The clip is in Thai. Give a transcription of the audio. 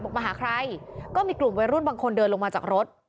มาหาใครก็มีกลุ่มวัยรุ่นบางคนเดินลงมาจากรถ